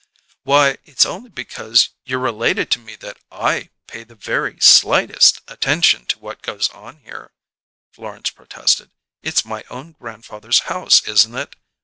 "Why, it's only because you're related to me that I pay the very slightest attention to what goes on here," Florence protested. "It's my own grandfather's house, isn't it?